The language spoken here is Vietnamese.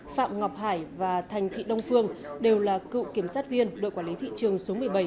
phạm ngọc hải và thành thị đông phương đều là cựu kiểm sát viên đội quản lý thị trường số một mươi bảy